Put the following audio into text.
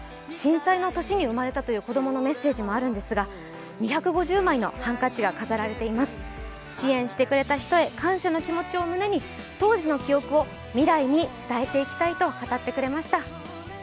震災の年に生まれたという子供のメッセージもあるんですが、２５０枚のハンカチが飾られています支援してくれた人へ感謝の気持ちを胸に当時の記憶を未来に伝えていきたいと語ってくれました。